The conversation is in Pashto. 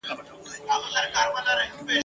په ټپوس کي د باز خویونه نه وي !.